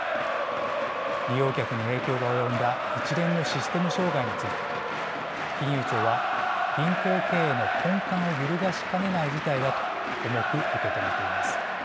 利用客に影響が及んだ一連のシステム障害について金融庁は銀行経営の根幹を揺るがしかねない事態だと重く受け止めています。